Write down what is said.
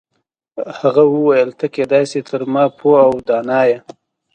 هغه وویل ته کیدای شي تر ما پوه او دانا یې.